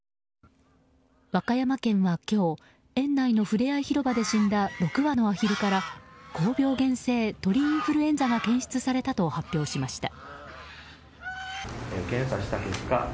和歌山県は今日園内のふれあい広場で死んだ６羽のアヒルから高病原性鳥インフルエンザが検出されたと発表しました。